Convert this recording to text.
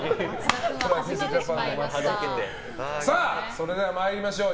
それでは参りましょう。